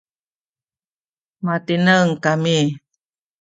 matineng kami